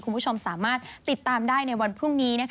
คุณผู้ชมสามารถติดตามได้ในวันพรุ่งนี้